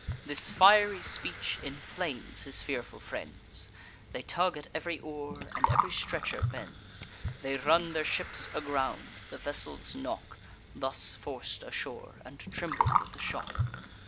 This fiery speech inflames his fearful friends: They tug at ev'ry oar, and ev'ry stretcher bends; They run their ships aground; the vessels knock, (Thus forc'd ashore,) and tremble with the shock.